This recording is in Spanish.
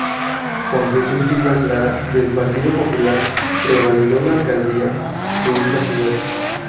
Juan Jesús Vivas Lara del Partido Popular revalidó la alcaldía de esta ciudad.